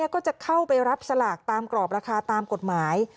ก็จะเข้าไปรับสลากตามกรอบราคาตามกฎหมาย